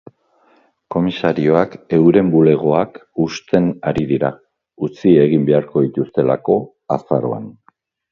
Komisarioak euren bulegoak husten ari dira, utzi egin beharko dituztelako azaroan.